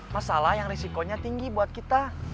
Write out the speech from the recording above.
masalah yang risikonya tinggi buat kita